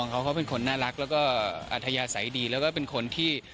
เขาเขาเป็นคนน่ารักแล้วก็อัธยาศัยดีแล้วก็เป็นคนที่